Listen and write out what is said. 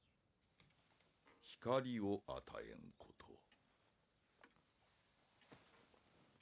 「光を与えんことを」